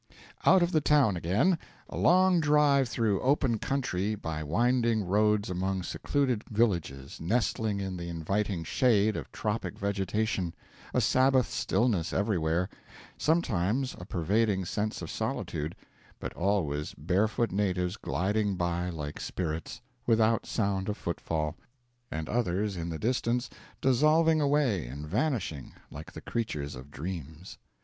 Out of the town again; a long drive through open country, by winding roads among secluded villages nestling in the inviting shade of tropic vegetation, a Sabbath stillness everywhere, sometimes a pervading sense of solitude, but always barefoot natives gliding by like spirits, without sound of footfall, and others in the distance dissolving away and vanishing like the creatures of dreams.